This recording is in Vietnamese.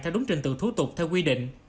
theo đúng trình tựu thú tục theo quy định